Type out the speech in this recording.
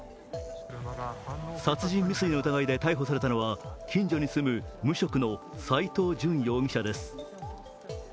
殺人未遂の疑いで逮捕されたのは近所に住む、無職の斉藤淳容疑者です。